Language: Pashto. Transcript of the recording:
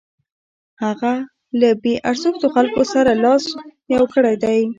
هغه له بې ارزښتو خلکو سره لاس یو کړی دی.